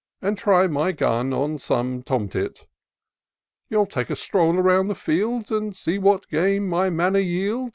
And try my gun at some tom tit. You'll take a stroll around the fields, And see what game my manor yields."